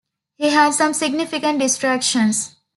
He had some significant distractions.